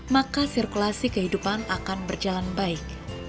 maka sirkulasi kehidupan akan berjalan baik